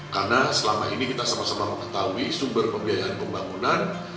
karena selama ini kita sama sama mengetahui sumber pembiayaan pembangunan